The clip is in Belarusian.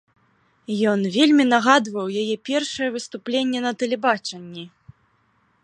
Ён вельмі нагадваў яе першае выступленне на тэлебачанні.